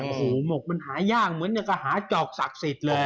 โอ้โหหมกมันหายากเหมือนอย่างก็หาจอกศักดิ์สิทธิ์เลย